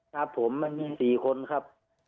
ครับผมมันมี๔คนครับ